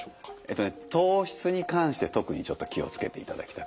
糖質に関して特にちょっと気を付けていただきたくて。